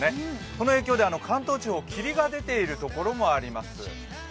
その影響で関東地方、霧が出ている所もあります。